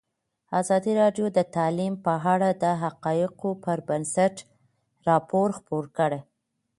ازادي راډیو د تعلیم په اړه د حقایقو پر بنسټ راپور خپور کړی.